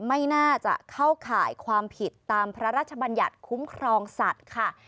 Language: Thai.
ไม่น่าจะเข้าข่ายความผิดตามพระราชบัญญัติคุ้มครองสัตว์ค่ะ